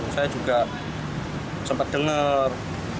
saya juga sempat dengar